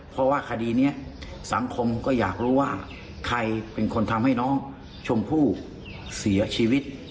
เพราะว่าคดีนี้สังคมก็อยากรู้ว่าใครเป็นคนทำให้น้องชมพู่เสียชีวิต